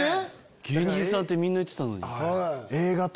「芸人さん」ってみんな言ってたのに。